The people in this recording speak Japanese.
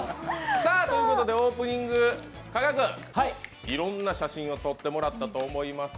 ということでオープニング、加賀君、いろんな写真を撮ってもらったと思います。